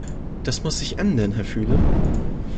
Das muss sich ändern, Herr Füle.